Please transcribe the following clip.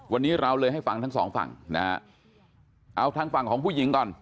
วันนี้เราเลยให้ฟังทั้งสองฝั่งนะฮะเอาทางฝั่งของผู้หญิงก่อน